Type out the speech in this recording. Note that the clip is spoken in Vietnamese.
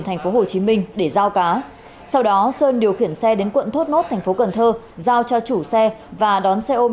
tp hcm để giao cá sau đó sơn điều khiển xe đến quận thốt mốt tp cn giao cho chủ xe và đón xe ôm